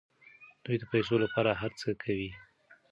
دوی د پیسو لپاره هر څه کوي.